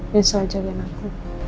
pasti saya akan jagain kamu